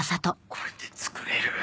これで作れる。